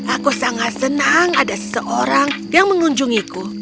aku sangat senang ada seseorang yang mengunjungiku